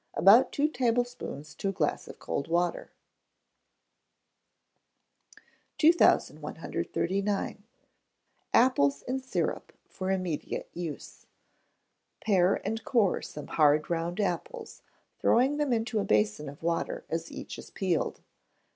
About two tablespoonfuls to a glass of cold water. 2139. Apples in Syrup for Immediate Use. Pare and core some hard round apples, throwing them into a basin of water as each is peeled.